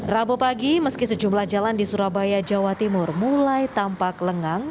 rabu pagi meski sejumlah jalan di surabaya jawa timur mulai tampak lengang